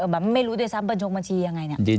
แบบไม่รู้ด้วยซ้ำบัญชงบัญชียังไงเนี่ย